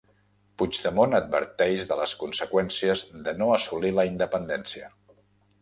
Puigdemont adverteix de les conseqüències de no assolir la independència